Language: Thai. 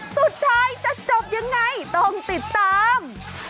สุดท้ายจะจบยังไงต้องติดตาม